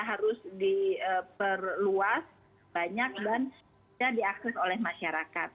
harus diperluas banyak dan bisa diakses oleh masyarakat